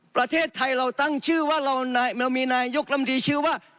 ประเทศไทยเราตั้งชื่อว่าเรามีนายยกลำดีชื่อว่า